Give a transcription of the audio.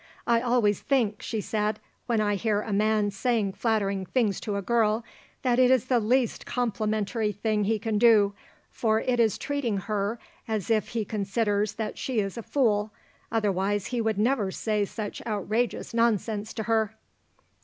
"I always think," she said, "when I hear a man saying flattering things to a girl, that it is the least complimentary thing he can do, for it is treating her as if he considers that she is a fool, otherwise he would never say such outrageous nonsense to her."